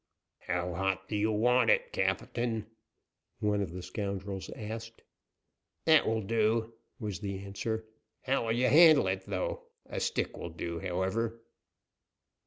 "How hot do you want et, captain?" one of the scoundrels asked. "That will do," was the answer. "How will you handle it, though? A stick will do, however."